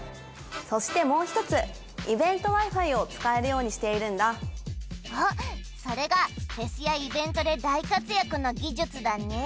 そしてもう一つイベントＷｉ−Ｆｉを使えるようにしているんだおっそれがフェスやイベントで大活躍の技術だね